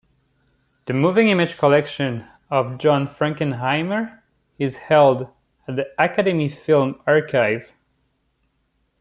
The moving image collection of John Frankenheimer is held at the Academy Film Archive.